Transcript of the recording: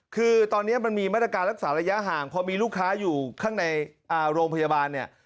คือตอนนี้มันมีมาตรการรักษาระยะห่างพอมีลูกค้าอยู่ข้างในโรงพยาบาลเนี่ย